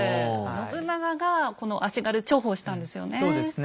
信長がこの足軽重宝したんですよね。